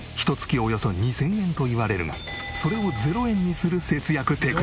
およそ２０００円といわれるがそれを０円にする節約テクニック。